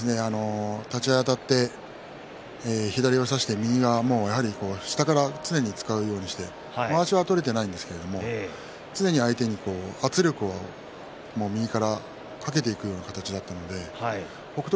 立ち合いあたって左を差して右が、もうやはり下から常に使うようにしてまわしは取れていないんですが常に相手に圧力を右からかけていくような形だったので北勝